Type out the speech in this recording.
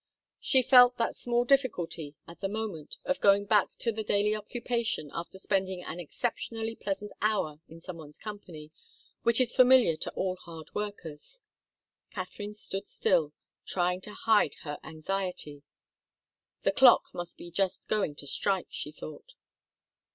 She felt that small difficulty, at the moment, of going back to the daily occupation after spending an exceptionally pleasant hour in some one's company, which is familiar to all hard workers. Katharine stood still, trying to hide her anxiety. The clock must be just going to strike, she thought.